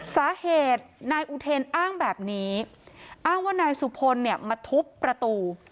สาเหตุนายอุเทนอ้างแบบนี้อ้างว่านายสุพลเนี่ยมาทุบประตู